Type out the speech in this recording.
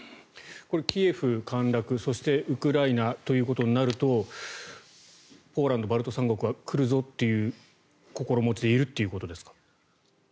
これ、キエフ陥落そしてウクライナということになるとポーランド、バルト三国は来るぞという心持ちでいるということですか？